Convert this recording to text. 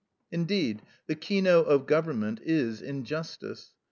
Indeed, the keynote of government is injustice.